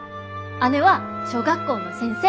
姉は小学校の先生。